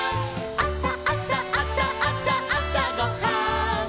「あさあさあさあさあさごはん」